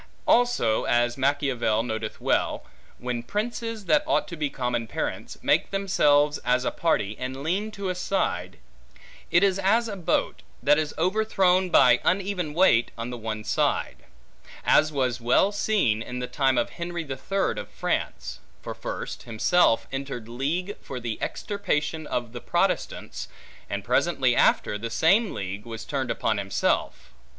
Also, as Machiavel noteth well, when princes, that ought to be common parents, make themselves as a party, and lean to a side, it is as a boat, that is overthrown by uneven weight on the one side; as was well seen, in the time of Henry the Third of France; for first, himself entered league for the extirpation of the Protestants; and presently after, the same league was turned upon himself.